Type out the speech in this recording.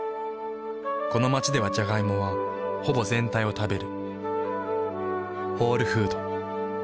この街ではジャガイモはほぼ全体を食べる。